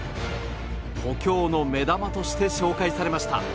補強の目玉として紹介されました。